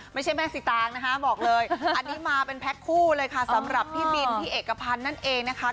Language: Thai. ไม่ใช่แม่สิตางนะคะบอกเลยอันนี้มาเป็นแพ็คคู่เลยค่ะสำหรับพี่บินพี่เอกพันธ์นั่นเองนะคะ